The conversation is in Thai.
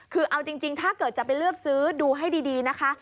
คือเอาจริงถ้าเกิดจะไปเลือกซื้อดูให้ดีนะคะ